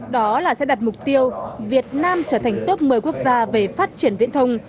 đó là sẽ đặt mục tiêu việt nam trở thành top một mươi quốc gia về phát triển viễn thông